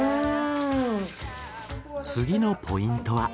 次のポイントは。